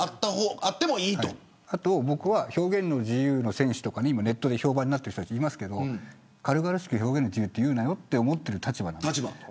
僕は表現の自由の戦士とかネットで評判になっている人がいますけど軽々しく表現の自由と言うなよと思ってる立場です。